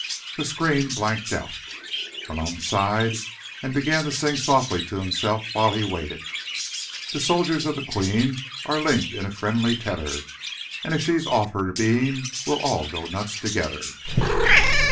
The screen blanked out. Malone sighed and began to sing softly to himself while he waited: "The soldiers of the Queen are linked in friendly tether— And if she's off her bean, we'll all go nuts together...."